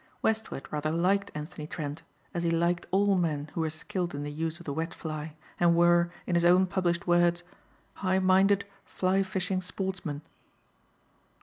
Westward rather liked Anthony Trent as he liked all men who were skilled in the use of the wet fly and were, in his own published words, "high minded, fly fishing sportsmen."